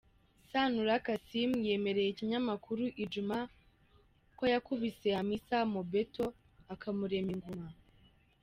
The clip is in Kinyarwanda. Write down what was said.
Sanura Kassim yemereye ikinyamakuru Ijumaa ko yakubise Hamisa Mobeto akamurema inguma.